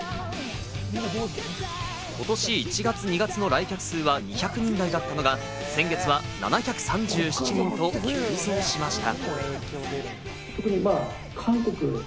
今年１月、２月の来客数は２００人台だったのが、先月は７３７人と急増しました。